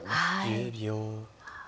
１０秒。